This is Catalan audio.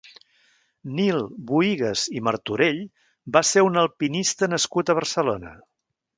Nil Bohigas i Martorell va ser un alpinista nascut a Barcelona.